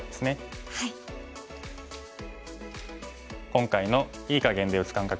今回の“いい”かげんで打つ感覚